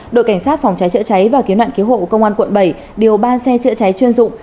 đội cảnh sát phòng cháy chữa cháy và kiếm nạn kiếm hộ công an quận bảy đều ban xe chữa cháy chuyên dụng